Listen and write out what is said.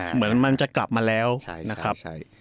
เหมือนมันจะกลับมาแล้วนะครับ